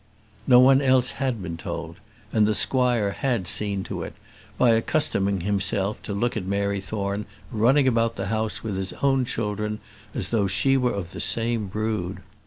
No one else had been told; and the squire had "seen to it," by accustoming himself to look at Mary Thorne running about the house with his own children as though she were of the same brood.